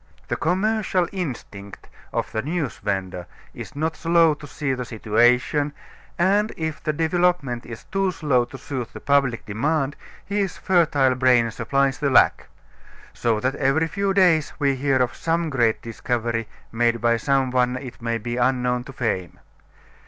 The commercial instinct of the news vender is not slow to see the situation, and if the development is too slow to suit the public demand his fertile brain supplies the lack. So that every few days we hear of some great discovery made by some one it may be unknown to fame.